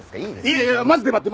いやいやマジで待って！